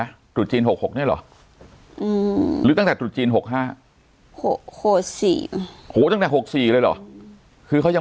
อันตุ๊ดจีน๖๖เนี่ยหรอหรือตั้งแต่ตุ๊ดจีน๖๕